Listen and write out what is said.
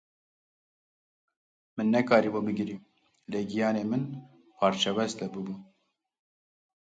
Min nekarîbû bigirîm; lê giyanê min parçewesle bûbû.